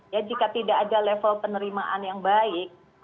ya jika tidak ada level penerimaan yang baik